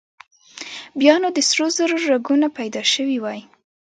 بيا نو د سرو زرو رګونه پيدا شوي وای.